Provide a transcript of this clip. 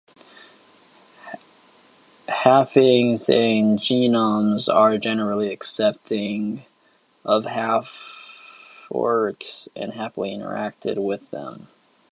Halflings and gnomes are generally accepting of half-orcs and happily interact with them.